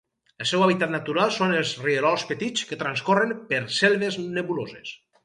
El seu hàbitat natural són els rierols petits que transcorren per selves nebuloses.